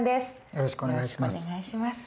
よろしくお願いします。